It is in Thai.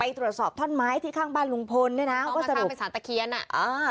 ไปตรวจสอบท่อนไม้ที่ข้างบ้านลุงพลเนี่ยน่ะก็สรุปอ่า